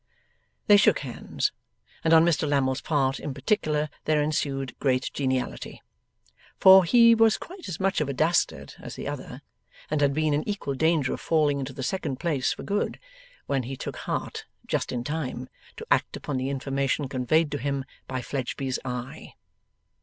They shook hands, and on Mr Lammle's part, in particular, there ensued great geniality. For, he was quite as much of a dastard as the other, and had been in equal danger of falling into the second place for good, when he took heart just in time, to act upon the information conveyed to him by Fledgeby's eye.